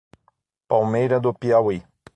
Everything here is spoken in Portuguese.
Palmeira do Piauí